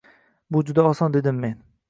- Bu juda oson, - dedim men